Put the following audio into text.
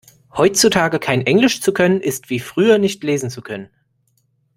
Heutzutage kein Englisch zu können ist wie früher nicht lesen zu können.